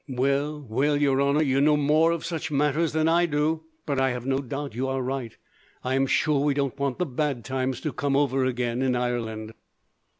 "Well, well, your honour, you know more of such matters than I do; but I have no doubt that you are right. I am sure we don't want the bad times to come over again, in Ireland."